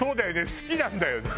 好きなんだよね。